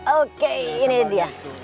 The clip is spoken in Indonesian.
oke ini dia